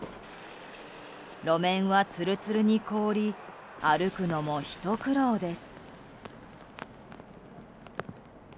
路面はつるつるに凍り歩くのもひと苦労です。